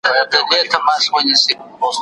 هغه سړی چې په اس سپپور دی زما ملګری دی.